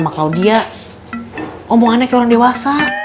klaudia omongannya kayak orang dewasa